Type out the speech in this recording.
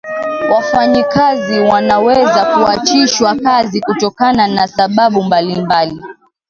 wafanyakazi wanaweza kuachishwa kazi kutokana na sababu mbalimbali